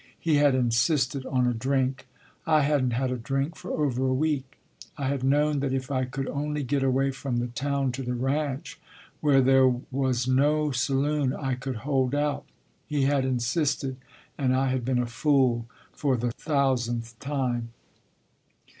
He had insisted on a drink. I hadn t had a drink for over a week. I had known that if I could only get away from the town to the ranch where there was no saloon I could hold out. He had insisted, and I had been a fool for the thousandth time.